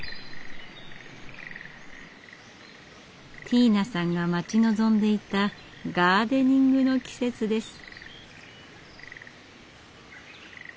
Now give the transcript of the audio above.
ティーナさんが待ち望んでいたガーデニングの季節です。